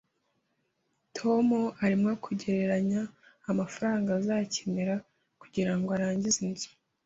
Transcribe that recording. Tom arimo kugereranya amafaranga azakenera kugirango arangize inzu